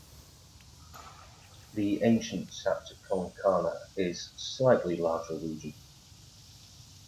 The ancient Saptakonkana is a slightly larger region.